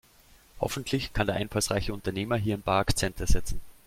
Hoffentlich kann der einfallsreiche Unternehmer hier ein paar Akzente setzen.